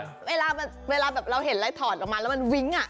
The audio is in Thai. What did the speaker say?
เวลาแบบเราเห็นอะไรถอดออกมาแล้วมันวิ้งอ่ะ